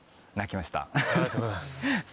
ありがとうございます。